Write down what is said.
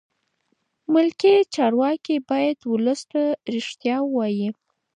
ملکي چارواکي باید ولس ته رښتیا ووایي.